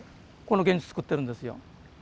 この現実つくってるんですよ。